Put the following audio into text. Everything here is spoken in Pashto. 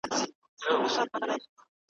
جهاني شپې مي کړې سپیني توري ورځي مي راوړي `